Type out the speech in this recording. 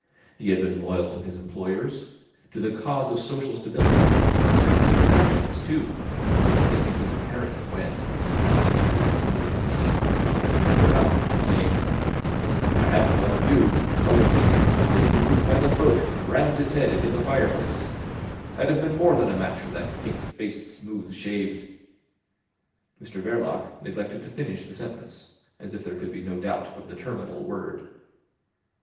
He had been loyal to his employers, to the cause of social stability,—and to his affections too—as became apparent when, after standing the tumbler in the sink, he turned about, saying: "If I hadn't thought of you I would have taken the bullying brute by the throat and rammed his head into the fireplace. I'd have been more than a match for that pink faced, smooth shaved—" Mr Verloc, neglected to finish the sentence, as if there could be no doubt of the terminal word.